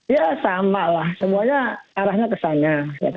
ya sama lah semuanya arahnya kesana